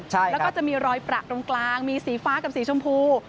แล้วก็จะมีรอยประตรงกลางมีสีฟ้ากับสีชมพู